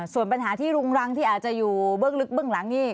ส่วนปัญหาที่รุงรังที่อาจจะอยู่เบื้องลึกเบื้องหลังนี่